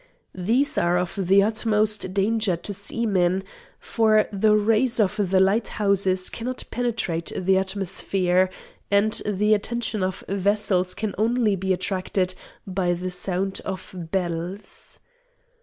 These are of the utmost danger to seamen, for the rays from the lighthouses cannot penetrate the atmosphere, and the attention of vessels can only be attracted by the sound of bells.